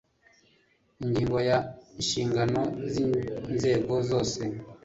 ingingo ya inshingano z inzego zose